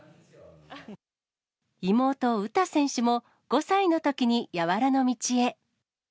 妹、詩選手も５歳のときに柔の道へ。